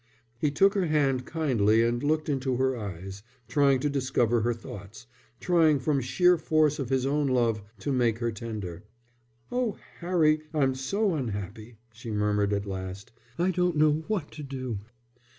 He took her hand kindly, and looked into her eyes, trying to discover her thoughts, trying from sheer force of his own love, to make her tender. "Oh, Harry, I'm so unhappy," she murmured at last. "I don't know what to do."